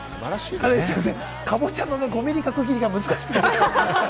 かぼちゃの５ミリ角切りが難しくて。